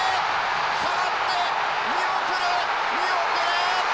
下がって見送る見送る！